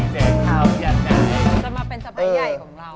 จะมาเป็นสะพ้ายใหญ่ของเรา